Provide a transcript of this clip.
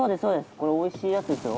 これおいしいやつですよ。